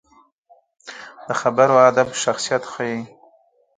د خبرو ادب شخصیت ښيي